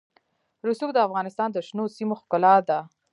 رسوب د افغانستان د شنو سیمو ښکلا ده.